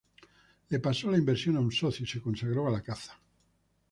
Le pasó la inversión a un socio y se consagró a la caza.